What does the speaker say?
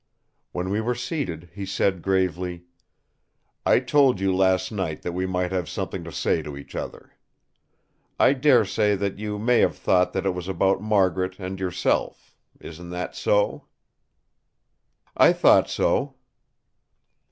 When we were seated, he said gravely: "I told you last night that we might have something to say to each other. I dare say that you may have thought that it was about Margaret and yourself. Isn't that so?" "I thought so."